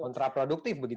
kontraproduktif begitu ya